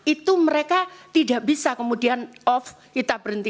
itu mereka tidak bisa kemudian off kita berhenti